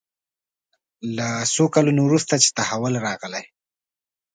له څو کلونو وروسته چې تحول راغلی.